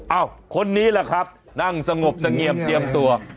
คนนี้แหละครับนั่งสงบเสงี่ยมเจียมตัว